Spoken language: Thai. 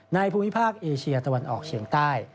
ภูมิภาคเอเชียตะวันออกเฉียงใต้